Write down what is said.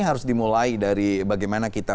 harus dimulai dari bagaimana kita